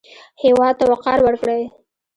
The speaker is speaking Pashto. هېواد ته وقار ورکړئ